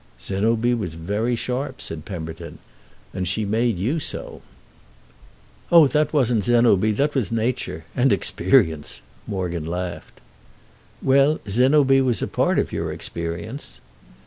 "Zénobie was very sharp," said Pemberton. "And she made you so." "Oh that wasn't Zénobie; that was nature. And experience!" Morgan laughed. "Well, Zénobie was a part of your experience."